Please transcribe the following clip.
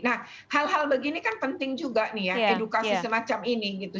nah hal hal begini kan penting juga nih ya edukasi semacam ini gitu